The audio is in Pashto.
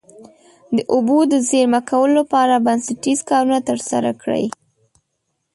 د اوبو د زیرمه کولو لپاره بنسټیز کارونه ترسره کړي.